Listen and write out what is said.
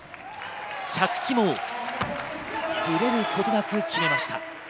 着地もぶれることなく決めました。